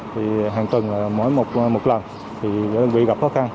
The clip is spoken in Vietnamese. thì hàng tuần mỗi một lần thì đơn vị gặp khó khăn